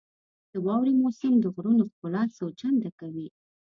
• د واورې موسم د غرونو ښکلا څو چنده کوي.